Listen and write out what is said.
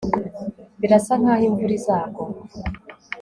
birasa nkaho imvura izagwa